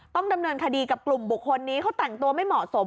ต้องดำเนินคดีกับกลุ่มบุคคลนี้เขาแต่งตัวไม่เหมาะสม